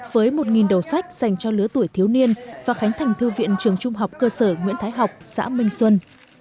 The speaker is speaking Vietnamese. với một đầu sách dành cho lứa tuổi thiếu niên và khánh thành thư viện trường trung học cơ sở nguyễn thái học xã minh xuân